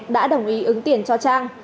đã đồng ý ứng tiền cho trang